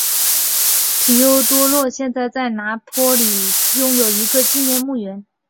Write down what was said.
提欧多洛现在在拿坡里拥有一个纪念墓园。